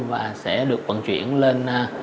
và sẽ được vận chuyển lên